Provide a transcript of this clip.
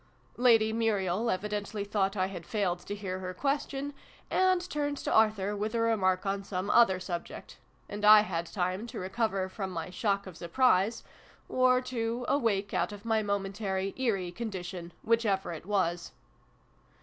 Lady Muriel evidently thought I had failed to hear her question, and turned to Arthur with a remark on some other subject ; and I ix] THE FAREWELL PARTY. 131 had time to recover from my shock of surprise or to awake out of my momentary ' eerie ' condition, whichever it was.